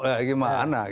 nah gimana gitu